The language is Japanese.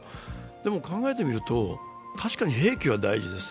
でも、考えてみると確かに兵器は大事です。